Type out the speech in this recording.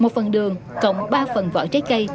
một phần đường cộng ba phần vỏ trái cây